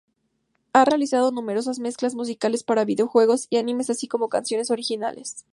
Ha realizado numerosas mezclas musicales para videojuegos y animes así como canciones originales.